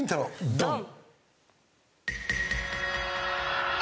ドン！